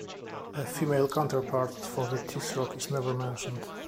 A female counterpart for the Tisroc is never mentioned.